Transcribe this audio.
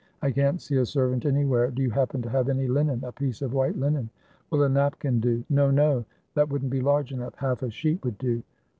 I can't see a servant anywhere. Do you happen to have any linen — a piece of white linen?' ' "Will a napkin do?" 30 THE WHITE FLAG OF SEDAN " No, no ; that would n't be large enough. Half a sheet would do."